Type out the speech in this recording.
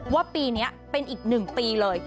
ว่าปีนี้เป็นอีก๑ปีเลย